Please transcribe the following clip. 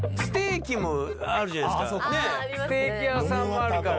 ステーキ屋さんもあるから。